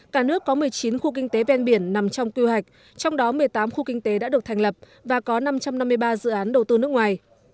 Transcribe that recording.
cả nước có một mươi chín khu kinh tế ven biển nằm trong quy hoạch trong đó một mươi tám khu kinh tế đã được thành lập và có năm trăm năm mươi ba dự án đầu tư nước ngoài